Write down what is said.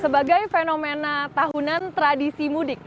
sebagai fenomena tahunan tradisi mudik